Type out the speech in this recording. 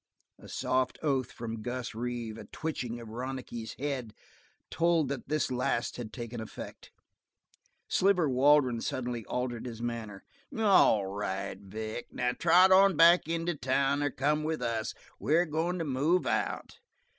A soft oath from Gus Reeve; a twitching of Ronicky's head told that this last had taken effect. Sliver Waldron suddenly altered his manner. "All right, Vic. Trot back into town, or come with us. We're going to move out."